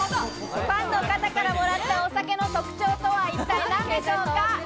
ファンの方からもらったお酒の特徴とは一体何でしょうか？